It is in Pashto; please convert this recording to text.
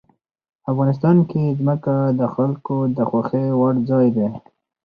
افغانستان کې ځمکه د خلکو د خوښې وړ ځای دی.